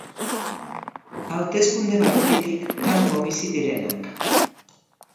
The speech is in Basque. Hauteskunde-barrutitik kanpo bizi direnak.